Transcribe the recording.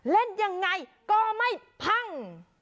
เล่นยังไงก็ไม่พัง